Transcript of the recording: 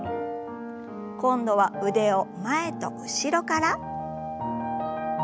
今度は腕を前と後ろから。